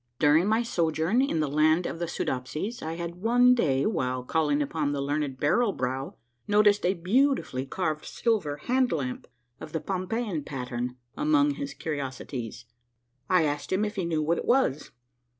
During my sojourn in the Land of the Soodopsies I had one day, while calling upon the learned Barrel Brow, noticed a beauti fully carved silver hand lamp of the Pompeian pattern among his curiosities. I asked him if he knew what it was.